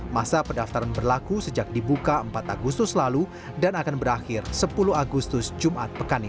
masa pendaftaran berlaku sejak dibuka empat agustus lalu dan akan berakhir sepuluh agustus jumat pekan ini